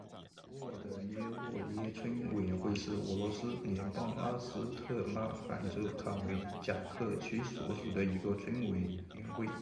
波尔德涅沃耶村委员会是俄罗斯联邦阿斯特拉罕州卡梅贾克区所属的一个村委员会。